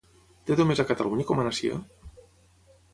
Té només a Catalunya com a nació?